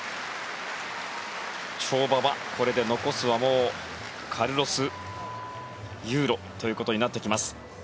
跳馬はこれで残すはもうカルロス・ユーロということになってきます。